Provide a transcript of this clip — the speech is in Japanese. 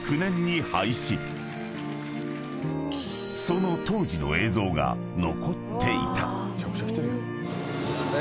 ［その当時の映像が残っていた］